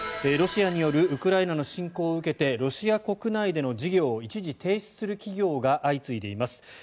ロシアによるウクライナの侵攻を受けてロシア国内での事業を一時停止する企業が相次いでいます。